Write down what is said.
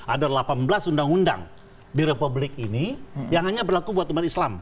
ada delapan belas undang undang di republik ini yang hanya berlaku buat umat islam